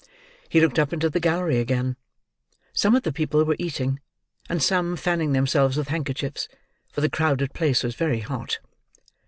He looked up into the gallery again. Some of the people were eating, and some fanning themselves with handkerchiefs; for the crowded place was very hot.